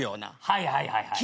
はいはいはいはい。